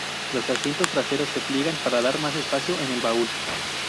Los asientos traseros se pliegan para dar más espacio en el baúl.